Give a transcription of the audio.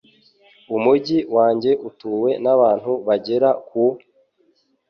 Umujyi wanjye utuwe nabantu bagera ku ..